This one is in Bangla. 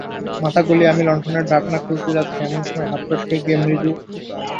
মাথা গলিয়ে আমি লন্ঠনের ঢাকনা খুলতে যাচ্ছি এমন সময় হাত ফসকে গিয়ে মৃদু।